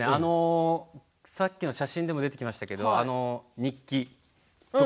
さっきの写真でも出てきましたが日記